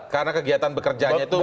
karena kegiatan bekerja itu